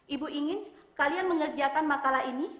ibu ingin kalian mengerjakan makalah ini